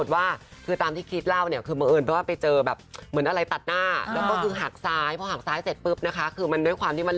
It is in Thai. ว่าคือตามที่คลิสเล่าเนี่ยคือเมื่อหมดไปเจอแบบเหมือนอะไรตัดหน้าหากซ้ายพอหาประทะ